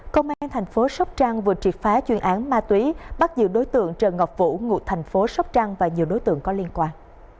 công an thành phố sóc trăng vừa triệt phá chuyên án ma túy bắt giữ đối tượng trần ngọc vũ ngụ thành phố sóc trăng và nhiều đối tượng có liên quan